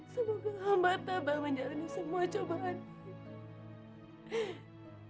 semoga hamba tambah menjalani semua cobaan ini